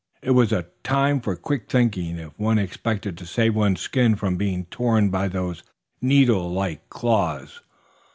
It was a time for quick thinking if one expected to save one's skin from being torn by those needle like claws.